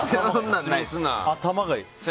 頭がいい。